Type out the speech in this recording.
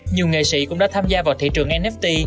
nhiều nghệ sĩ cũng đã tham gia vào thị trường nft